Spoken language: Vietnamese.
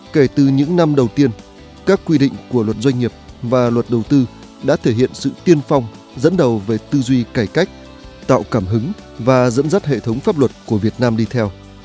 kể từ những năm đầu tiên các quy định của luật doanh nghiệp và luật đầu tư đã thể hiện sự tiên phong dẫn đầu về tư duy cải cách tạo cảm hứng và dẫn dắt hệ thống pháp luật của việt nam đi theo